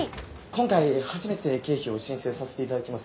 今回初めて経費を申請させて頂きます